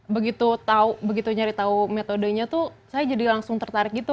begitu nyari tahu metodenya tuh saya jadi langsung tertarik gitu